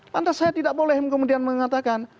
lantas saya tidak boleh kemudian mengatakan